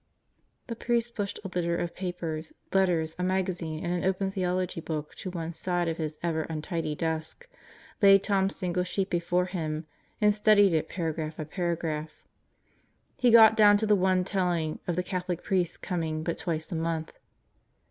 .. The priest pushed a litter of papers, letters, a magazine, and an open theology book to one side of his ever untidy desk, laid Tom's single sheet before him and studied it paragraph by paragraph. He got down to the one telling of the Catholic priest coming but twice a month.